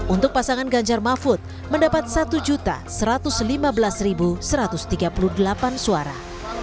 untuk pasangan ganjar mahfud mendapat satu satu ratus lima belas satu ratus tiga puluh delapan suara